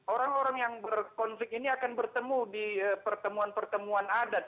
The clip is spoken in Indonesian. orang orang yang berkonflik ini akan bertemu di pertemuan pertemuan adat